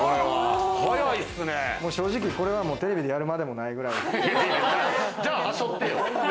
正直これはテレビでやるまでもないくらい。